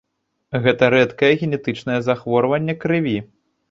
Гэта рэдкае генетычнае захворванне крыві.